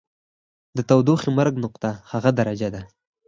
د تودوخې مرګ نقطه هغه درجه ده.